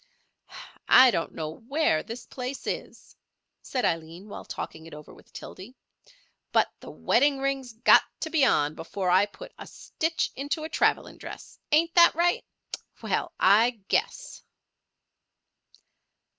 "I don't know where this place is," said Aileen while talking it over with Tildy, "but the wedding ring's got to be on before I put a stitch into a travelling dress—ain't that right? Well, I guess!"